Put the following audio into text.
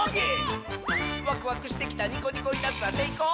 「ワクワクしてきたニコニコいたずら」「せいこう？